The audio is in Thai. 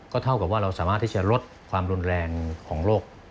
เท่ากับว่าเราสามารถที่จะลดความรุนแรงของโรค